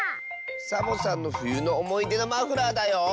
サボさんのふゆのおもいでのマフラーだよ。